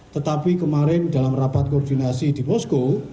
tetapi kemarin dalam rapat koordinasi di posko